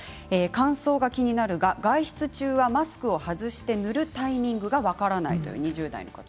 乾燥が気になるが外出中はマスクを外して塗るタイミングが分からないという２０代の方。